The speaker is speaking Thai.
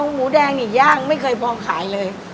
หมูแดงนี่ย่างไม่เคยพอขายเลย